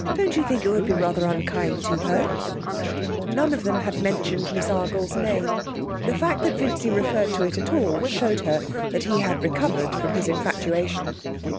'Don't you think it would be rather unkind to her?' Neither of them had mentioned Miss Argles' name. The fact that Vincy referred to it at all showed her that he had recovered from his infatuation.